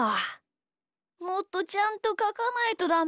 もっとちゃんとかかないとダメだ。